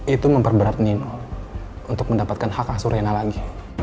itu memperberat nino untuk mendapatkan hak asur rina lagi